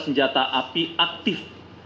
senjata api aktif